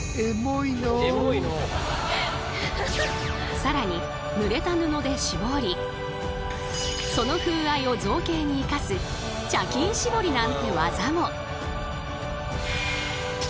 更にぬれた布でしぼりその風合いを造形に生かす「茶巾しぼり」なんて技も。